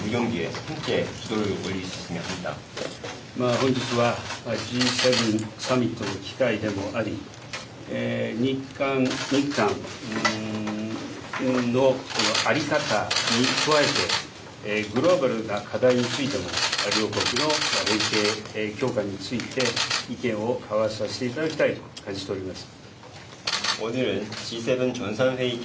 本日はＧ７サミットの機会でもあり、日韓の在り方に加えて、グローバルな課題についても、両国の連携強化について意見を交わさせていただきたいと感じております。